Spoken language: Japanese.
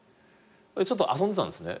ちょっと遊んでたんですね。